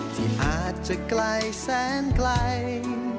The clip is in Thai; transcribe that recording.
ที่อาจจะไกลแสนไกล